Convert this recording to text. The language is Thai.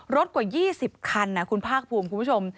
กว่า๒๐คันคุณภาคภูมิคุณผู้ชม